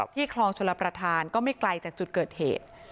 คลองชลประธานก็ไม่ไกลจากจุดเกิดเหตุ